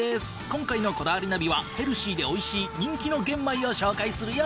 今回の『こだわりナビ』はヘルシーで美味しい人気の玄米を紹介するよ。